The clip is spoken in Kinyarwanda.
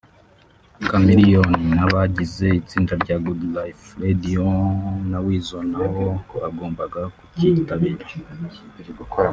Chameleone n’abagize itsinda rya Good Life [Radio na Weasel] na bo bagombaga kucyitabira